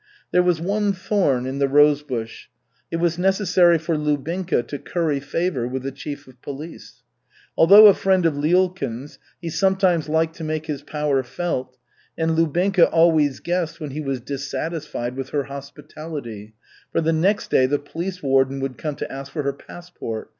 There was one thorn in the rose bush. It was necessary for Lubinka to curry favor with the chief of police. Although a friend of Lyulkin's, he sometimes liked to make his power felt, and Lubinka always guessed when he was dissatisfied with her hospitality, for the next day the police warden would come to ask for her passport.